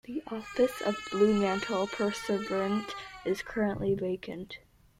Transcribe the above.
The office of Bluemantle Pursuivant is currently vacant.